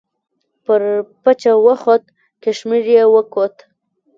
پر پچه وخوت، کشمیر یې وکوت.